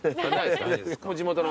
地元の。